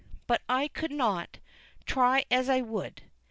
But I could not, try as I would.